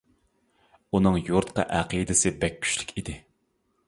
ئۇنىڭ يۇرتقا ئەقىدىسى بەك كۈچلۈك ئىدى.